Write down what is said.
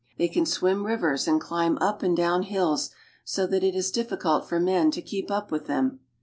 They can swim rivers and climb up and rdown hills, so that it is difficult for men to keep up with them.